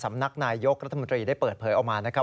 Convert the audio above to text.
สำนักนายยกรัฐมนตรีได้เปิดเผยออกมานะครับ